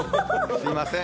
すみません。